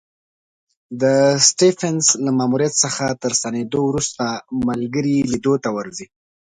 سټېفنس له ماموریت څخه تر ستنېدو وروسته ملګري لیدو ته ورځي.